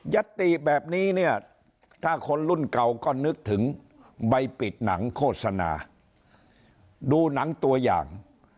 ติแบบนี้เนี่ยถ้าคนรุ่นเก่าก็นึกถึงใบปิดหนังโฆษณาดูหนังตัวอย่าง